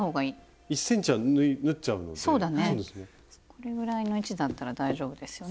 これぐらいの位置だったら大丈夫ですよね。